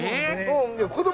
子供。